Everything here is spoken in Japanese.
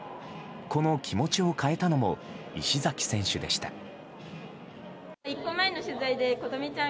この気持ちを変えたのも石崎選手でした。